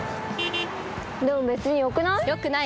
でも別によくない？